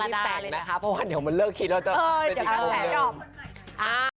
ตรงนี้แปลงนะครับเดี๋ยวมันเลิกคิดแล้วจะไปติดตรงเริ่ม